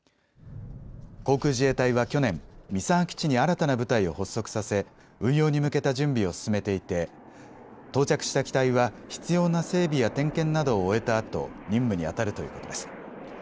航空自衛隊は去年、三沢基地に新たな部隊を発足させ運用に向けた準備を進めていて到着した機体は必要な整備や点検などを終えたあと任務にあたるということです。